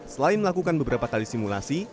selain melakukan beberapa kali simulasi